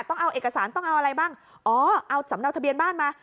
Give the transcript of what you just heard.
ต้องเอาเอกสารต้องเอาอะไรบ้างอ๋อเอาสำเนาทะเบียนบ้านมา